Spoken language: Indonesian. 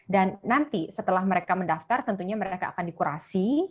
dan nanti setelah mereka mendaftar tentunya mereka akan dikurasi